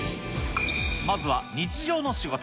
まずは日常の仕事。